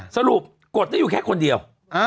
สรุปกดได้อยู่แค่คนเดียว